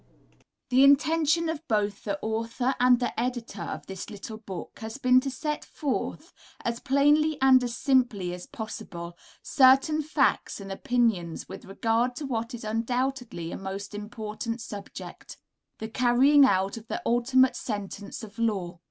The intention of both the author and the editor of this little book has been to set forth, as plainly and as simply as possible, certain facts and opinions with regard to what is undoubtedly a most important subject the carrying out of the ultimate sentence of the law.